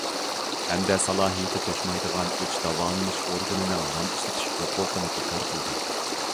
ھەمدە سالاھىيىتى توشمايدىغان ئۈچ داۋالىنىش ئورگىنىنىڭ نام ئىشلىتىش ھوقۇقىنى بىكار قىلدى.